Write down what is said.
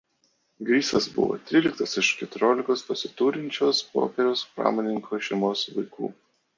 Grisas buvo tryliktas iš keturiolikos pasiturinčios popieriaus pramonininko šeimos vaikų.